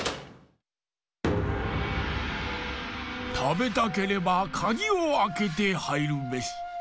たべたければかぎをあけてはいるべし。